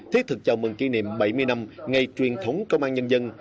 thiết thực chào mừng kỷ niệm bảy mươi năm ngày truyền thống công an nhân dân